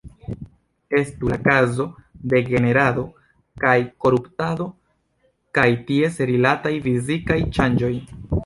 Estu la kazo de generado kaj koruptado kaj ties rilataj fizikaj ŝanĝoj.